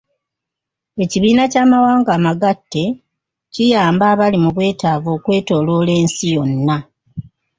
Ekibiina ky'amawanga amagatte kiyamba abali mu bwetaavu okwetooloola ensi yonna.